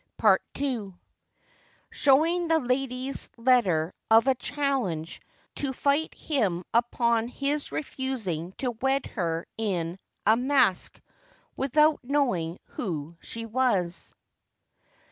PART II. SHOWING THE LADY'S LETTER OF A CHALLENGE TO FIGHT HIM UPON HIS REFUSING TO WED HER IN A MASK, WITHOUT KNOWING WHO SHE WAS.